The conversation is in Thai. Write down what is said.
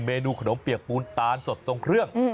เมนูขนมเปียกปูนตาลสดทรงเครื่อง